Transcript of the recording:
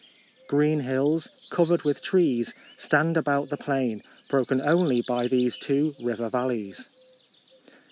Green hills, covered with trees, stand around the plain, broken only by these two river val leys.